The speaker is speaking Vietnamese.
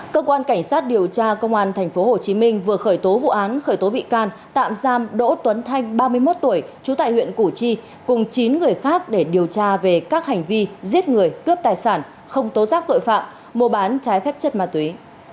cơ quan cảnh sát điều tra công an tp hcm vừa khởi tố vụ án khởi tố bị can tạm giam đỗ tuấn thanh ba mươi một tuổi trú tại huyện củ chi cùng chín người khác để điều tra về các hành vi giết người cướp tài sản không tố giác tội phạm mua bán trái phép chất ma túy